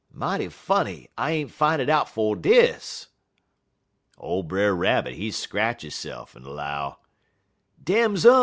Mighty funny I ain't fine it out 'fo' dis.' "Ole Brer Rabbit, he scratch hisse'f en 'low: "'Dems um.